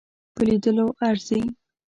په لیدلو ارزي.